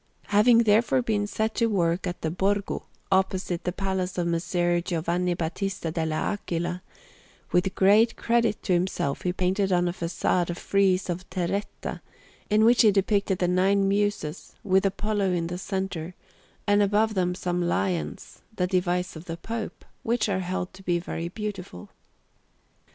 Having therefore been set to work in the Borgo, opposite to the Palace of Messer Giovanni Battista dall' Aquila, with great credit to himself he painted on a façade a frieze in terretta, in which he depicted the Nine Muses, with Apollo in the centre, and above them some lions, the device of the Pope, which are held to be very beautiful.